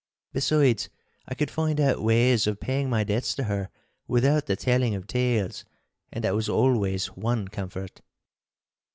Besides, I could find out ways of paying my debts to her without the telling of tales, and that was always one comfort.